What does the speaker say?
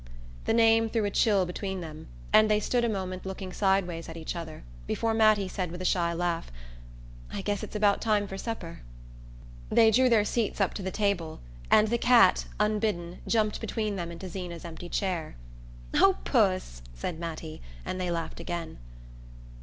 The name threw a chill between them, and they stood a moment looking sideways at each other before Mattie said with a shy laugh. "I guess it's about time for supper." They drew their seats up to the table, and the cat, unbidden, jumped between them into Zeena's empty chair. "Oh, Puss!" said Mattie, and they laughed again.